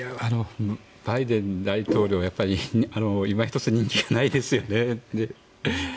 バイデン大統領やっぱりいまひとつ人気がないですよね。